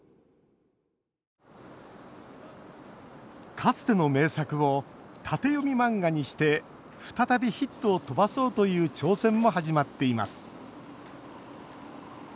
かつての名作を縦読み漫画にして再びヒットを飛ばそうという挑戦も始まっています